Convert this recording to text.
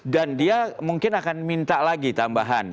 dan dia mungkin akan minta lagi tambahan